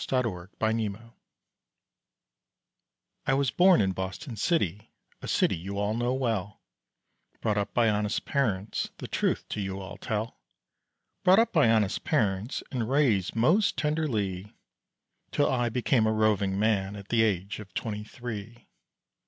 THE BOSTON BURGLAR I was born in Boston City, a city you all know well, Brought up by honest parents, the truth to you I'll tell, Brought up by honest parents and raised most tenderly, Till I became a roving man at the age of twenty three.